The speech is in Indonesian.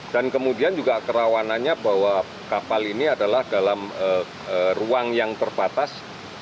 dan kemudian juga kerawanannya bahwa kapal ini adalah dalam ruang yang terbatas